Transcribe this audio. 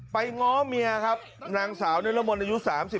ไปง้อเมียครับนางสาวเนี่ยละมนต์อายุ๓๕